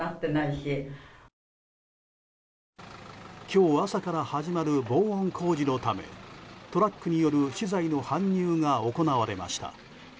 今日朝から始まる防音工事のためトラックによる資材の搬入が行われました。